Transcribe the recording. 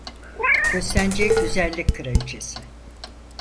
Köstence Güzellik Kraliçesi.